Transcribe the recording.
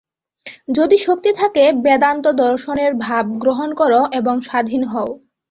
যদি শক্তি থাকে, বেদান্তদর্শনের ভাব গ্রহণ কর এবং স্বাধীন হও।